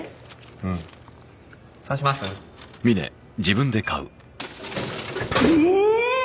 うんそうしますええー！？